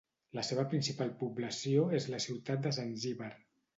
La seva principal població és la ciutat de Zanzíbar.